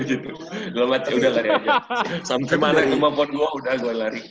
udah lari aja sampe mana kemampuan gua udah gua lari